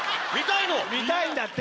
見たいんだって。